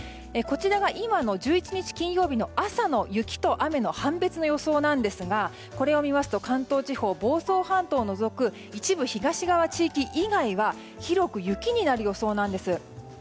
こちらは今の１１日、金曜日の雨と雪の判別の予想なんですがこれを見ますと関東地方、房総半島を除く一部東側地域以外は広く雪になる予想なんです。